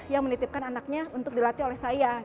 yang menitipkan anaknya untuk dilatih oleh saya